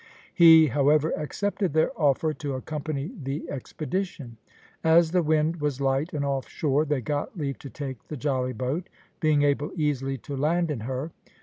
He, however, accepted their offer to accompany the expedition. As the wind was light and off shore they got leave to take the jolly boat, being able easily to land in her.